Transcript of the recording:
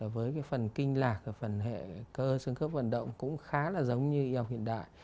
với cái phần kinh lạc phần hệ cơ sương khớp vận động cũng khá là giống như ý học hiện đại